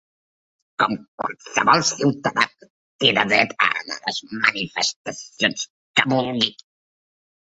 Com qualsevol ciutadà té de dret a anar a les manifestacions que vulgui.